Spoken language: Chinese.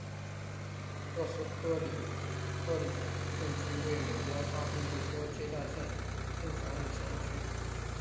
特基克里克镇区为美国堪萨斯州米切尔县辖下的镇区。